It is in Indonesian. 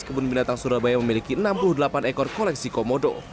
kebun binatang surabaya memiliki enam puluh delapan ekor koleksi komodo